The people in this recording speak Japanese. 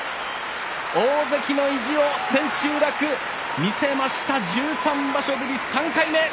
大関の意地を千秋楽、見せました、１３場所ぶり３回目。